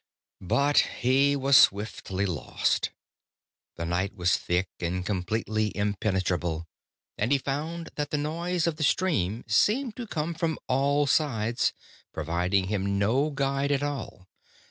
But he was swiftly lost. The night was thick and completely impenetrable, and he found that the noise of the stream seemed to come from all sides, providing him no guide at all.